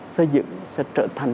xây dựng sẽ trở thành